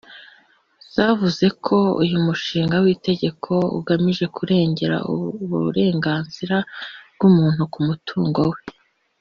zavuze ko uyu mushinga w’itegeko ugamije kurengera uburenganzira bw’umuntu ku mutungo we